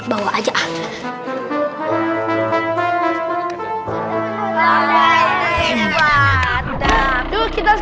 sekarang tempat vanessa